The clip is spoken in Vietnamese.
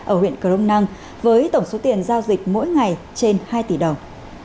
ở huyện cờ rông năng với tổng số tiền giao dịch mỗi ngày trên hai tỷ đồng